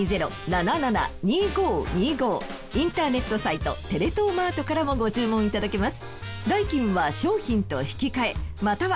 インターネットサイトテレ東マートからもご注文いただけます。